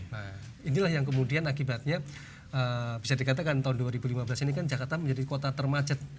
nah inilah yang kemudian akibatnya bisa dikatakan tahun dua ribu lima belas ini kan jakarta menjadi kota termacet